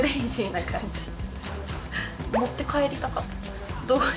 持って帰りたかったんです。